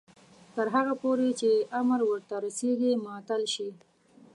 تر هغو پورې چې امر ورته رسیږي معطل شي.